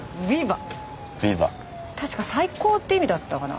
確か「最高」って意味だったかな。